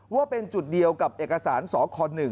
ว่าเป็นจุดเดียวกับเอกสารสค๑